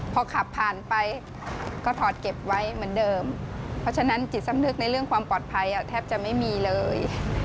พอขับผ่านไปก็ถอดเก็บไว้เหมือนเดิมเพราะฉะนั้นจิตสำนึกในเรื่องความปลอดภัยแทบจะไม่มีเลย